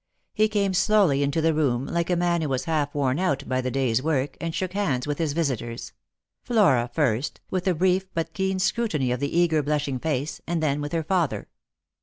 He came slowly into the room, like a man who was half worn out by the day's work, and shook hands with his visitors — Flora first, with a brief but keen scrutiny of the eager blushing face, and then with her father.